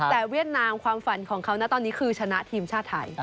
แต่เวียดนามความฝันของเขานะตอนนี้คือชนะทีมชาติไทย